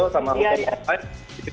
sama di rsi